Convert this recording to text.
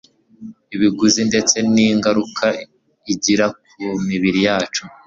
ibiguzi ndetse ningaruka igira ku mibiri yacu